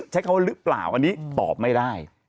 ใช้คำว่าหรือเปล่าอันนี้ตอบไม่ได้